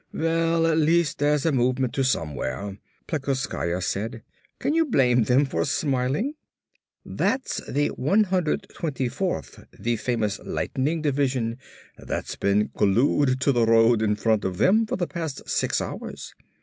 "Well at least that's a movement to somewhere," Plekoskaya said. "Can you blame them for smiling? That's the 124th, the famous 'lightning' division, that's been glued to the road in front of them for the past six hours.